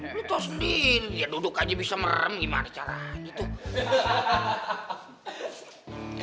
lo tau sendiri dia duduk aja bisa merem gimana caranya tuh